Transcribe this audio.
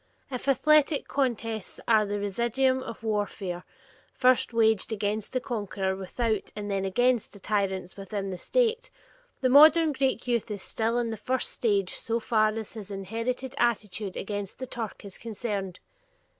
If athletic contests are the residuum of warfare first waged against the conqueror without and then against the tyrants within the State, the modern Greek youth is still in the first stage so far as his inherited attitude against the Turk is concerned.